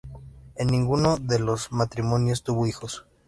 En ninguno de los matrimonios tuvo hijos.